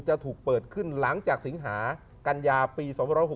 จะถูกเปิดขึ้นหลังจากสิงหากัญญาปี๒๖๖